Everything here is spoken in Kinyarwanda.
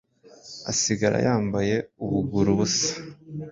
asigara yambaye ubuguru busa ,